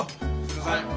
はい。